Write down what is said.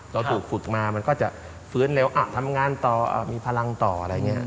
เราถูกฝึกมามันก็จะฟื้นเร็วทำงานต่อมีพลังต่ออะไรอย่างนี้